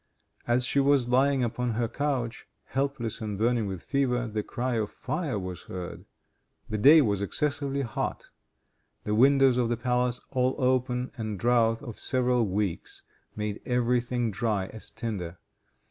As she was lying upon her couch, helpless and burning with fever, the cry of fire was heard. The day was excessively hot; the windows of the palace all open, and a drouth of several weeks made every thing dry as tinder.